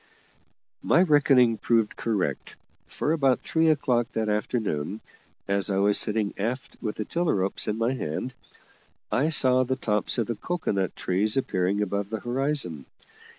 My reckoning proved correct, for about three o'clock that afternoon, as I was sitting aft with the tiller ropes in my hand, I saw the tops of the cocoa nut trees appearing above the horizon.